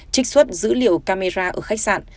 trích xuất dữ liệu camera ở khách sạn